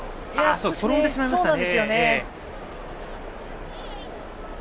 転んでしまいましたね。